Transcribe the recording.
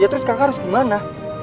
terus kakak harus gimana